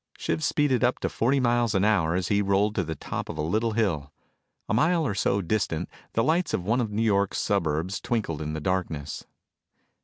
Shiv speeded up to forty miles an hour as he rolled to the top of a little hill. A mile or so distant the lights of one of New York's suburbs twinkled in the darkness.